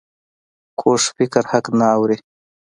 کوږ فکر حق نه اوري